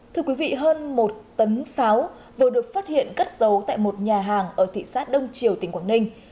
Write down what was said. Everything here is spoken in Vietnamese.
thưa quý vị hơn một tấn pháo vừa được phát hiện cất giấu tại một nhà hàng ở thị xã đông triều tỉnh quảng ninh